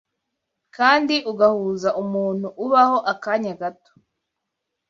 kandi ugahuza umuntu ubaho akanya gato